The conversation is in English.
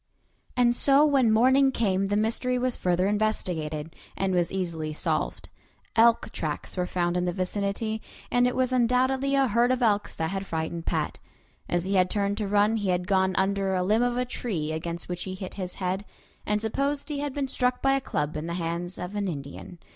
And so when morning came the mystery was further investigated, and was easily solved. Elk tracks were found in the vicinity, and it was undoubtedly a herd of elks that had frightened Pat. As he had turned to run he had gone under a limb of a tree against which he hit his head, and supposed he had been struck by a club in the hands of an Indian.